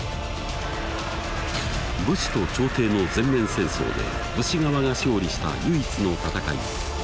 武士と朝廷の全面戦争で武士側が勝利した唯一の戦い